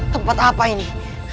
tempat apa ini